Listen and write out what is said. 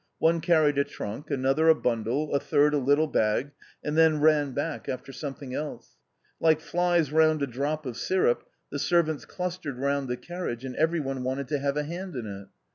One carried a trunk, another a bundle, a third a little bag, and then ran back after something else. Like flies round a drop of syrup, the servants clustered round the carriage, and every one wanted to have a hand in it.